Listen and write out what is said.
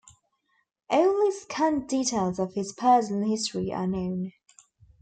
Only scant details of his personal history are known.